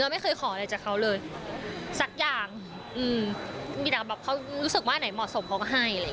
แล้วไม่เคยขออะไรจ่ะเขาเลยสักอย่างเขาเลยรู้สึกว่าอันไหนเหมาะสมเขาก็ให้